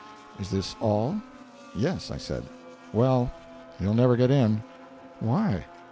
"Is this all?" "Yes," I said. "Well, you'll never get in" "Why?"